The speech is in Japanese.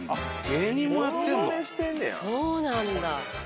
そうなんだ。